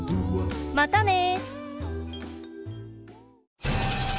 またね！